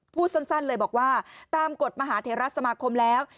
พูดสั้นเลยบอกว่าตามกฎมหาเทราสมาคมแล้ว